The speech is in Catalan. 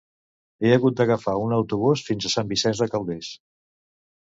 He hagut d'agafar un autobús fins a Sant Vicenç de Calders.